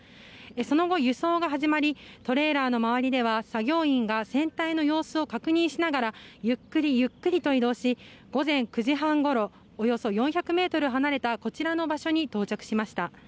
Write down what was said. その後、輸送が始まりトレーラーの周りでは作業員が船体の様子を確認しながらゆっくりゆっくりと移動し午前９時半ごろおよそ４００ｍ離れたこちらの場所に到着しました。